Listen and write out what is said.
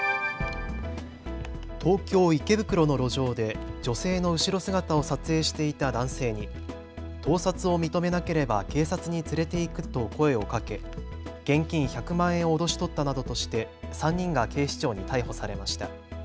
東京池袋の路上で女性の後ろ姿を撮影していた男性に盗撮を認めなければ警察に連れて行くと声をかけ現金１００万円を脅し取ったなどとして３人が警視庁に逮捕されました。